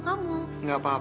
kan body yang berikutnya